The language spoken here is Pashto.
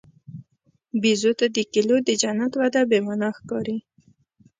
بیزو ته د کیلو د جنت وعده بېمعنی ښکاري.